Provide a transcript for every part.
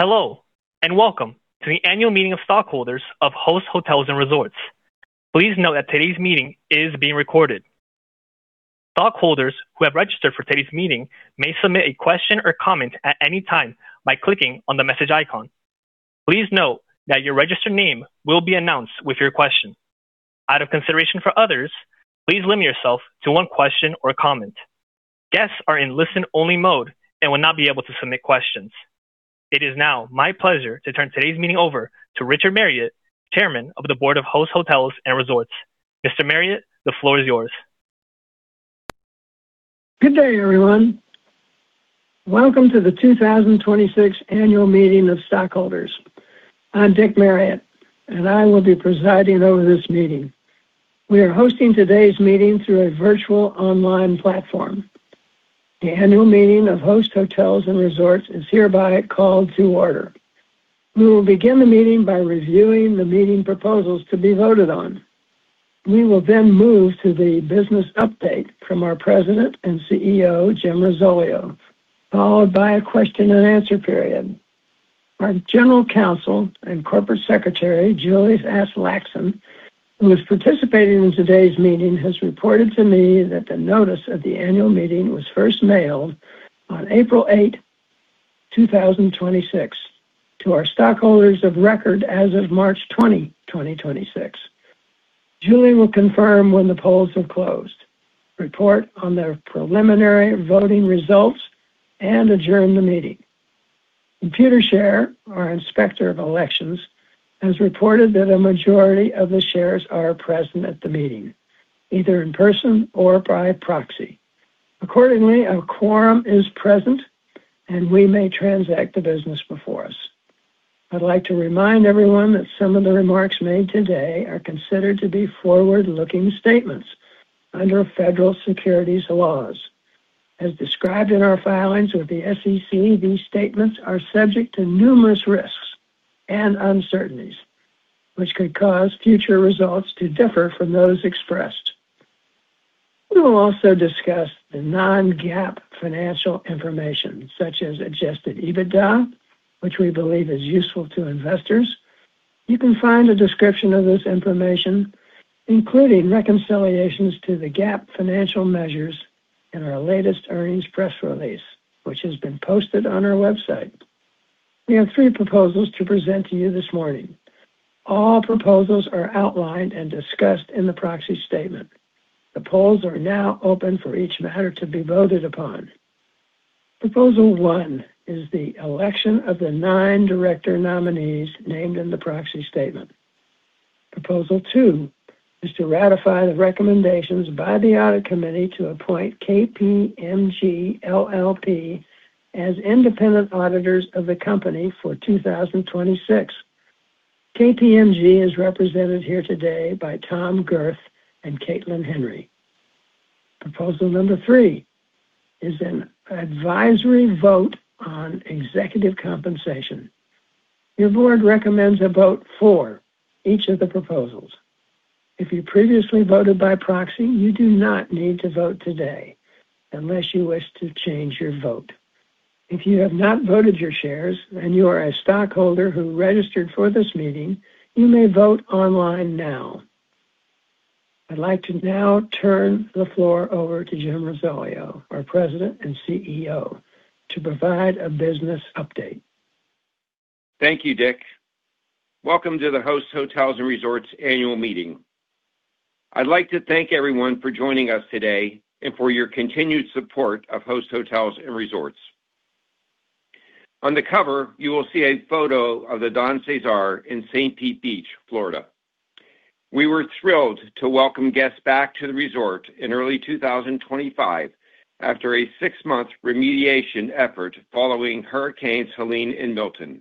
Hello, and welcome to the annual meeting of stockholders of Host Hotels & Resorts. Please note that today's meeting is being recorded. Stockholders who have registered for today's meeting may submit a question or comment at any time by clicking on the message icon. Please note that your registered name will be announced with your question. Out of consideration for others, please limit yourself to one question or comment. Guests are in listen-only mode and will not be able to submit questions. It is now my pleasure to turn today's meeting over to Richard Marriott, Chairman of the Board of Host Hotels & Resorts. Mr. Marriott, the floor is yours. Good day, everyone. Welcome to the 2026 annual meeting of stockholders. I'm Dick Marriott, and I will be presiding over this meeting. We are hosting today's meeting through a virtual online platform. The annual meeting of Host Hotels & Resorts is hereby called to order. We will begin the meeting by reviewing the meeting proposals to be voted on. We will then move to the business update from our President and CEO, Jim Risoleo, followed by a question-and-answer period. Our General Counsel and Corporate Secretary, Julie Aslaksen, who is participating in today's meeting, has reported to me that the notice of the annual meeting was first mailed on April 8, 2026 to our stockholders of record as of March 20, 2026. Julie will confirm when the polls have closed, report on the preliminary voting results, and adjourn the meeting. Computershare, our inspector of elections, has reported that a majority of the shares are present at the meeting, either in person or by proxy. Accordingly, a quorum is present, and we may transact the business before us. I'd like to remind everyone that some of the remarks made today are considered to be forward-looking statements under federal securities laws. As described in our filings with the SEC, these statements are subject to numerous risks and uncertainties, which could cause future results to differ from those expressed. We will also discuss the non-GAAP financial information such as adjusted EBITDA, which we believe is useful to investors. You can find a description of this information, including reconciliations to the GAAP financial measures in our latest earnings press release, which has been posted on our website. We have three proposals to present to you this morning. All proposals are outlined and discussed in the proxy statement. The polls are now open for each matter to be voted upon. Proposal 1 is the election of the nine director nominees named in the proxy statement. Proposal 2 is to ratify the recommendations by the Audit Committee to appoint KPMG LLP as independent auditors of the company for 2026. KPMG is represented here today by Tom Gerth and Caitlin Henry. Proposal Number 3 is an advisory vote on executive compensation. Your board recommends a vote for each of the proposals. If you previously voted by proxy, you do not need to vote today unless you wish to change your vote. If you have not voted your shares and you are a stockholder who registered for this meeting, you may vote online now. I'd like to now turn the floor over to Jim Risoleo, our President and CEO, to provide a business update. Thank you, Dick. Welcome to the Host Hotels & Resorts annual meeting. I'd like to thank everyone for joining us today and for your continued support of Host Hotels & Resorts. On the cover, you will see a photo of The Don CeSar in St. Pete Beach, Florida. We were thrilled to welcome guests back to the resort in early 2025 after a six-month remediation effort following hurricanes Helene and Milton.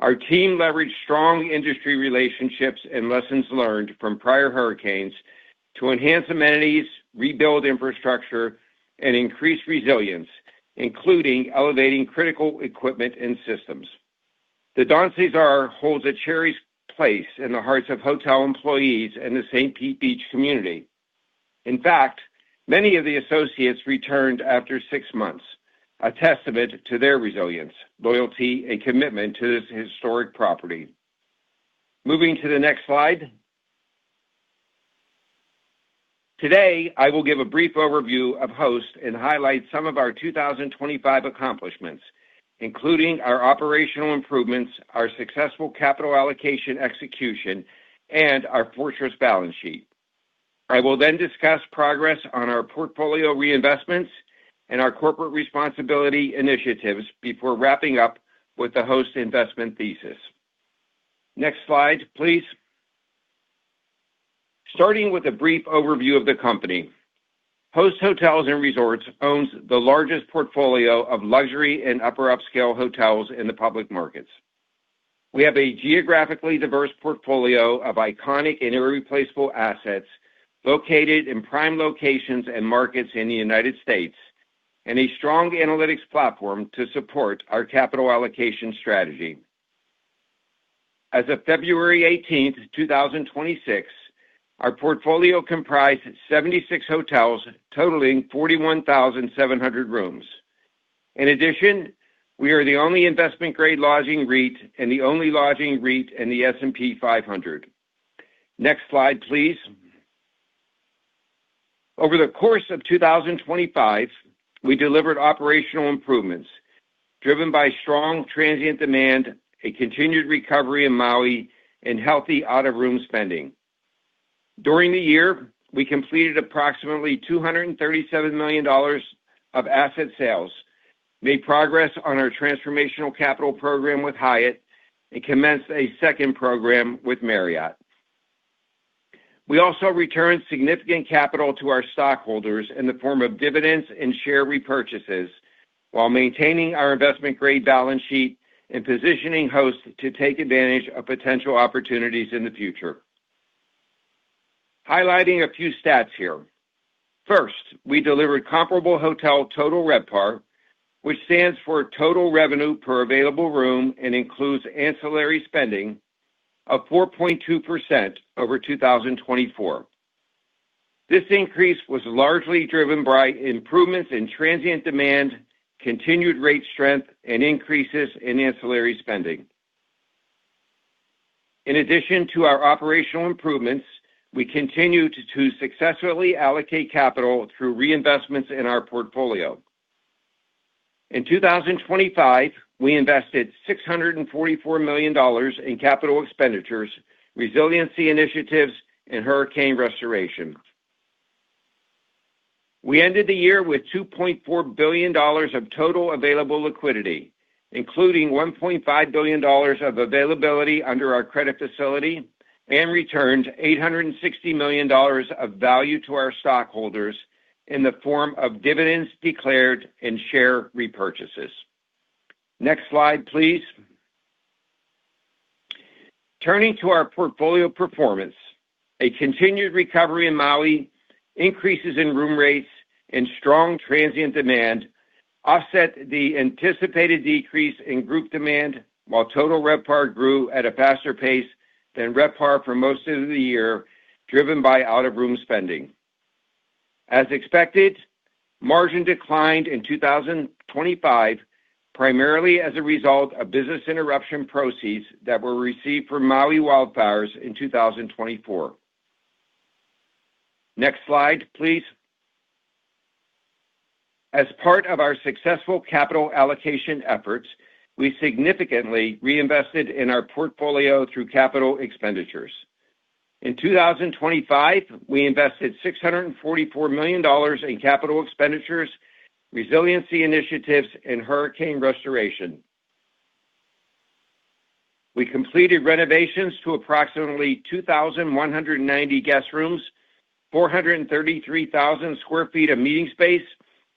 Our team leveraged strong industry relationships and lessons learned from prior hurricanes to enhance amenities, rebuild infrastructure, and increase resilience, including elevating critical equipment and systems. The Don CeSar holds a cherished place in the hearts of hotel employees and the St. Pete Beach community. In fact, many of the associates returned after six months, a testament to their resilience, loyalty, and commitment to this historic property. Moving to the next slide. Today, I will give a brief overview of Host and highlight some of our 2025 accomplishments, including our operational improvements, our successful capital allocation execution, and our fortress balance sheet. I will then discuss progress on our portfolio reinvestments and our corporate responsibility initiatives before wrapping up with the Host investment thesis. Next slide, please. Starting with a brief overview of the company. Host Hotels & Resorts owns the largest portfolio of luxury and upper upscale hotels in the public markets. We have a geographically diverse portfolio of iconic and irreplaceable assets located in prime locations and markets in the United States. And a strong analytics platform to support our capital allocation strategy. As of February 18th, 2026, our portfolio comprised 76 hotels totaling 41,700 rooms. In addition, we are the only investment-grade lodging REIT and the only lodging REIT in the S&P 500. Next slide, please. Over the course of 2025, we delivered operational improvements driven by strong transient demand, a continued recovery in Maui, and healthy out-of-room spending. During the year, we completed approximately $237 million of asset sales, made progress on our Transformational Capital Program with Hyatt, and commenced a second program with Marriott. We also returned significant capital to our stockholders in the form of dividends and share repurchases while maintaining our investment-grade balance sheet and positioning Host to take advantage of potential opportunities in the future. Highlighting a few stats here. First, we delivered comparable hotel total RevPAR, which stands for total revenue per available room and includes ancillary spending of 4.2% over 2024. This increase was largely driven by improvements in transient demand, continued rate strength, and increases in ancillary spending. In addition to our operational improvements, we continued to successfully allocate capital through reinvestments in our portfolio. In 2025, we invested $644 million in capital expenditures, resiliency initiatives, and hurricane restoration. We ended the year with $2.4 billion of total available liquidity, including $1.5 billion of availability under our credit facility, and returned $860 million of value to our stockholders in the form of dividends declared and share repurchases. Next slide, please. Turning to our portfolio performance, a continued recovery in Maui, increases in room rates, and strong transient demand offset the anticipated decrease in group demand while total RevPAR grew at a faster pace than RevPAR for most of the year, driven by out-of-room spending. As expected, margin declined in 2025, primarily as a result of business interruption proceeds that were received from Maui wildfires in 2024. Next slide, please. As part of our successful capital allocation efforts, we significantly reinvested in our portfolio through capital expenditures. In 2025, we invested $644 million in capital expenditures, resiliency initiatives, and hurricane restoration. We completed renovations to approximately 2,190 guest rooms, 433,000 sq ft of meeting space,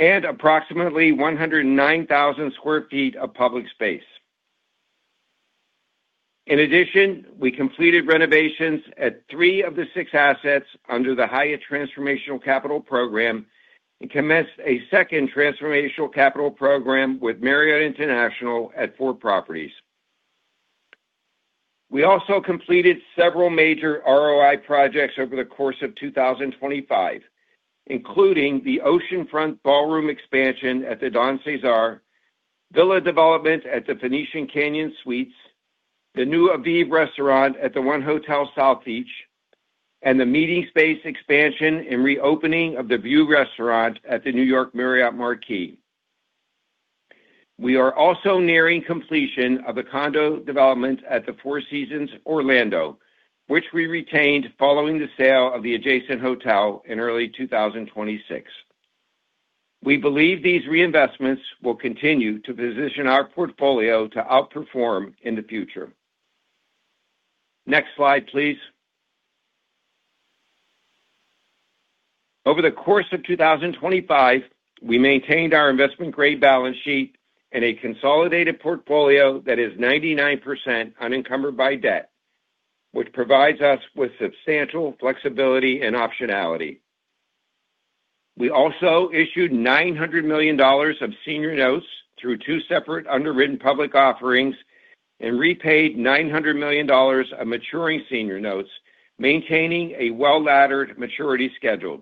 and approximately 109,000 sq ft of public space. In addition, we completed renovations at three of the six assets under the Hyatt Transformational Capital Program and commenced a second transformational capital program with Marriott International at four properties. We also completed several major ROI projects over the course of 2025, including the oceanfront ballroom expansion at The Don CeSar, villa development at The Phoenician Canyon Suites, the new AVIV Restaurant at the 1 Hotel South Beach, and the meeting space expansion and reopening of The View Restaurant at the New York Marriott Marquis. We are also nearing completion of the condo development at the Four Seasons Orlando, which we retained following the sale of the adjacent hotel in early 2026. We believe these reinvestments will continue to position our portfolio to outperform in the future. Next slide, please. Over the course of 2025, we maintained our investment-grade balance sheet in a consolidated portfolio that is 99% unencumbered by debt, which provides us with substantial flexibility and optionality. We also issued $900 million of senior notes through two separate underwritten public offerings and repaid $900 million of maturing senior notes, maintaining a well-laddered maturity schedule.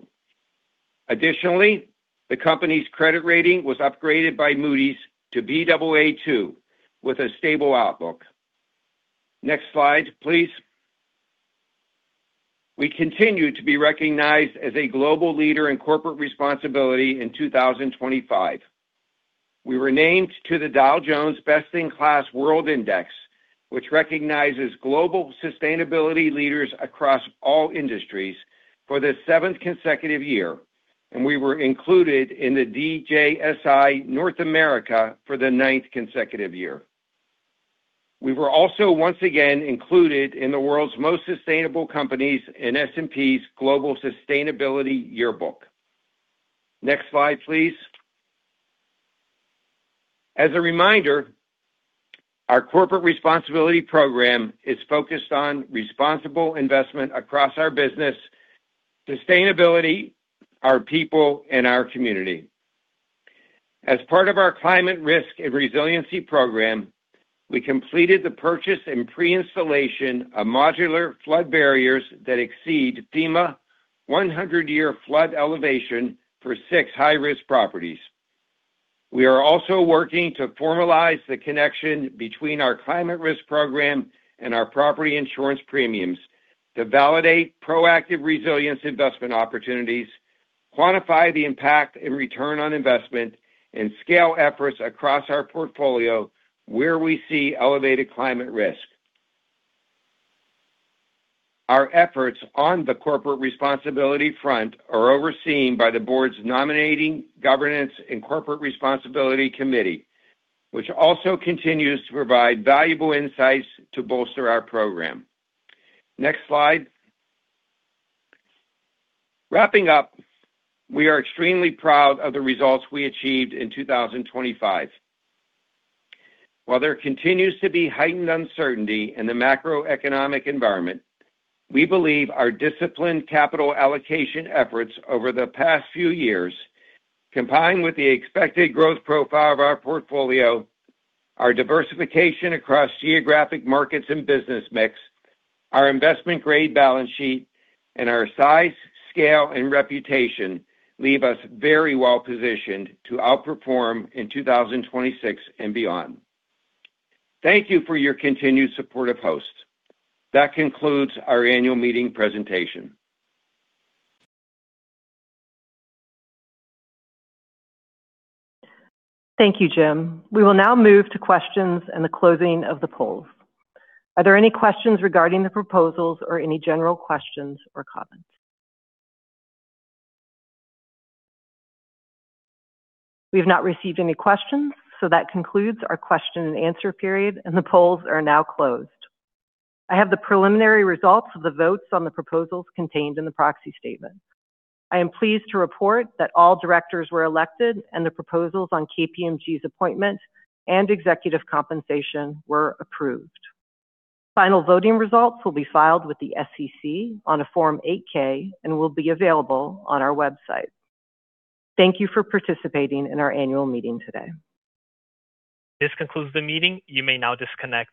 Additionally, the company's credit rating was upgraded by Moody's to Baa2 with a stable outlook. Next slide, please. We continued to be recognized as a global leader in corporate responsibility in 2025. We were named to the Dow Jones Best-in-Class World Index, which recognizes global sustainability leaders across all industries, for the seventh consecutive year, and we were included in the DJSI North America for the ninth consecutive year. We were also once again included in the world's most sustainable companies in S&P's Global Sustainability Yearbook. Next slide, please. As a reminder, our corporate responsibility program is focused on responsible investment across our business, sustainability, our people, and our community. As part of our climate risk and resiliency program, we completed the purchase and pre-installation of modular flood barriers that exceed FEMA 100-year flood elevation for six high-risk properties. We are also working to formalize the connection between our climate risk program and our property insurance premiums to validate proactive resilience investment opportunities, quantify the impact and return on investment, and scale efforts across our portfolio where we see elevated climate risk. Our efforts on the corporate responsibility front are overseen by the board's nominating governance and corporate responsibility committee, which also continues to provide valuable insights to bolster our program. Next slide. Wrapping up, we are extremely proud of the results we achieved in 2025. While there continues to be heightened uncertainty in the macroeconomic environment, we believe our disciplined capital allocation efforts over the past few years, combined with the expected growth profile of our portfolio, our diversification across geographic markets and business mix, our investment-grade balance sheet, and our size, scale, and reputation leave us very well-positioned to outperform in 2026 and beyond. Thank you for your continued support of Host. That concludes our annual meeting presentation. Thank you, Jim. We will now move to questions and the closing of the polls. Are there any questions regarding the proposals or any general questions or comments? We have not received any questions, so that concludes our question and answer period, and the polls are now closed. I have the preliminary results of the votes on the proposals contained in the proxy statement. I am pleased to report that all directors were elected and the proposals on KPMG's appointment and executive compensation were approved. Final voting results will be filed with the SEC on a Form 8-K and will be available on our website. Thank you for participating in our annual meeting today. This concludes the meeting. You may now disconnect.